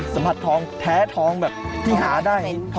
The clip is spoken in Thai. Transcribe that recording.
สัมผัสทองแท้ทองแบบที่หาได้